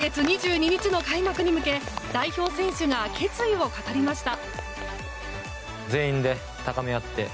今月２２日の開幕に向け代表選手が決意を語りました。